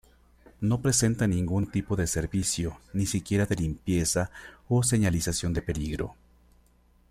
No presenta ningún tipo de servicio, ni siquiera de limpieza, o señalización de peligro.